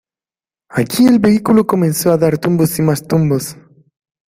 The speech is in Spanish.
Allí el vehículo comenzó a dar tumbos y más tumbos.